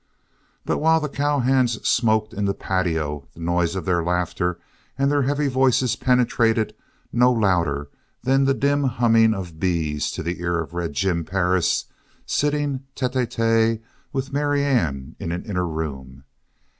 But while the cowhands smoked in the patio, the noise of their laughter and their heavy voices penetrated no louder than the dim humming of bees to the ear of Red Jim Perris, sitting tête à tête with Marianne in an inner room.